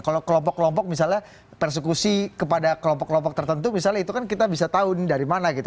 kalau kelompok kelompok misalnya persekusi kepada kelompok kelompok tertentu misalnya itu kan kita bisa tahu nih dari mana gitu